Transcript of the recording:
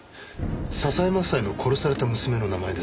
笹山夫妻の殺された娘の名前です。